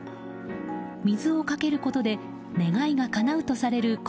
水をかけることで願いがかなうとされる